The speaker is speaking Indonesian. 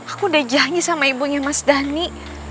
aku udah janji sama ibunya mas dhani